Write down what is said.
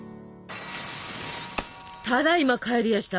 ただいま帰りやした。